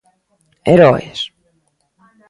Heroes?